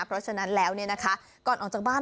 เพราะฉะนั้นแล้วก่อนออกจากบ้าน